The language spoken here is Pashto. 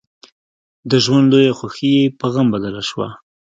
د ژوند لويه خوښي يې په غم بدله شوه.